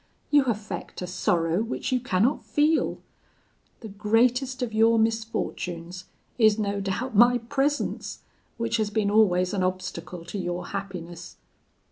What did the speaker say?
You affect a sorrow which you cannot feel. The greatest of your misfortunes is no doubt my presence, which has been always an obstacle to your happiness.